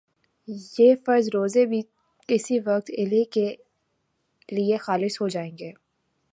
یہ فرض روزے بھی کسی وقت اللہ ہی کے لیے خالص ہو جائیں گے